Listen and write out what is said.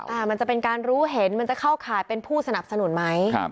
เพราะว่ามันจะเป็นการรู้เห็นมันจะเข้าขาดเป็นผู้สนับสนุนไม่